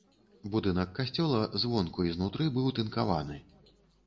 Будынак касцёла звонку і знутры быў тынкаваны.